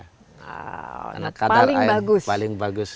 karena kadar air paling bagus